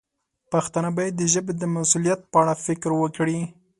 پښتانه باید د ژبې د مسوولیت په اړه فکر وکړي.